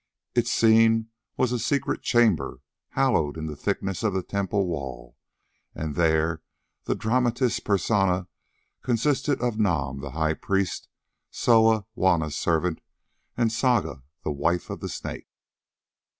Its scene was a secret chamber hollowed in the thickness of the temple wall, and the dramatis personae consisted of Nam, the high priest, Soa, Juanna's servant, and Saga, wife of the Snake.